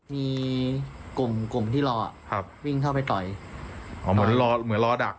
มีกลุ่มกลุ่มที่รออ่ะครับวิ่งเข้าไปต่อยอ๋อเหมือนรอเหมือนรอดัก